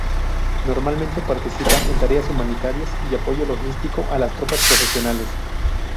Normalmente participan en tareas humanitarias y apoyo logístico a las tropas profesionales.